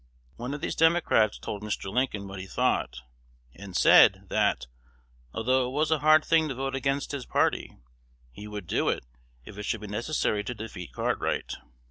One of these Democrats told Mr. Lincoln what he thought, and said, that, although it was a hard thing to vote against his party, he would do it if it should be necessary to defeat Cartwright.